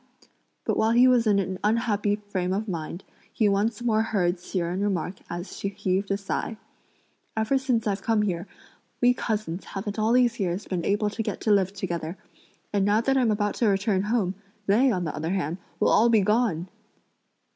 but while he was in an unhappy frame of mind, he once more heard Hsi Jen remark as she heaved a sigh: "Ever since I've come here, we cousins haven't all these years been able to get to live together, and now that I'm about to return home, they, on the other hand, will all be gone!"